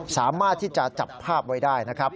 สามารถที่จะจับภาพไว้ได้นะครับ